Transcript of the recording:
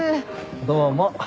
どうも。